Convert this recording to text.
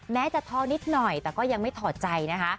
แม้จะท้อนิดหน่อยแต่ก็ยังไม่ถอดใจนะคะ